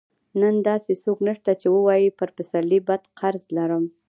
نن داسې څوک نشته چې ووايي پر پسرلي بد قرض لرم.